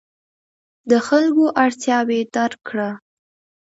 د خلکو اړتیاوې درک کړه.